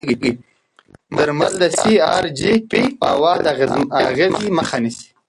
درمل د سي ار جي پي موادو اغېزې مخه نیسي.